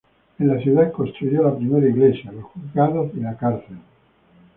En la ciudad construyó la primera iglesia, los juzgados y la cárcel.